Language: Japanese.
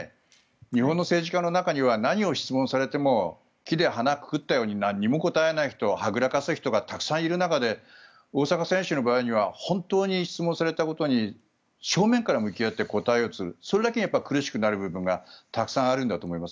日本の政治家の中には何を質問されても木で鼻をくくったようになんにも答えない人はぐらかす人がたくさんいる中で大坂選手の場合には本当に質問されたことに正面から向き合って答えようとするそれだけに苦しくなる部分がたくさんあるんだと思います。